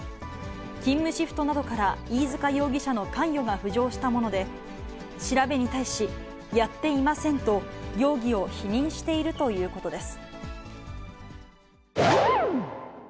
勤務シフトなどから飯塚容疑者の関与が浮上したもので、調べに対しやっていませんと、容疑を否認しているということです。